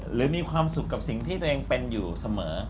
หรือมีความสุขกับสิ่งที่ตัวเองเป็นอยู่เสมอ